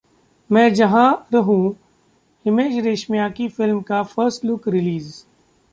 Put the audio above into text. मैं जहां रहूं: हिमेश रेशमिया की फिल्म का फर्स्ट लुक रिलीज